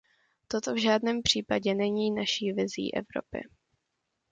Toto v žádném případě není naší vizí Evropy.